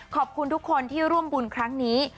ขอบคุณทุกคนที่ร่วมบุญครั้งนี้